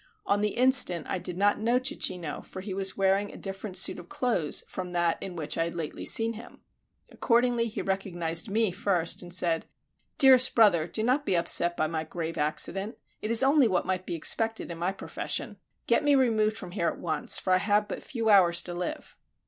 On the instant I did not know Cecchino, since he was wearing a different suit of clothes from that in which I had lately seen him. Accordingly he recognized me first and said, "Dearest brother, do not be upset by my grave accident: it is only what might be expected in my profession; get me removed from here at once, for I have but few hours to live."